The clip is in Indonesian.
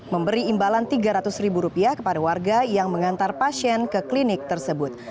memberi imbalan rp tiga ratus ribu rupiah kepada warga yang mengantar pasien ke klinik tersebut